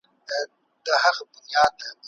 ایا د ږدن په پټي کي له ډاره اتڼ ړنګ سو؟